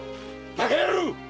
バカ野郎！